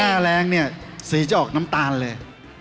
หน้าแรงเนี่ยสีจะออกน้ำตาลเลย